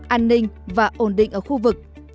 an ninh và ổn định ở khu vực